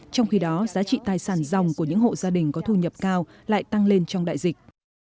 trong khi đó giá trị tài sản dòng của những hộ gia đình có thu nhập cao lại tăng lên trong đại dịch